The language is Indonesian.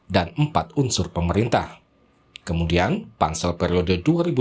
dan empat unsur pemerintah kemudian pansel periode dua ribu tujuh dua ribu sebelas